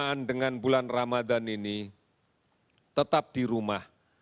selama dengan bulan ramadhan ini tetap di rumah